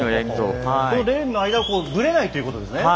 このレーンの間をぶれないということですね？